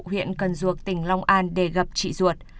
ở huyện cần ruộc tỉnh long an để gặp trị ruột